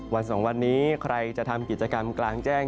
สองวันนี้ใครจะทำกิจกรรมกลางแจ้ง